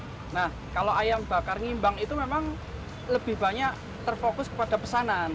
nah kalau ayam bakar nyimbang itu memang lebih banyak terfokus kepada pesanan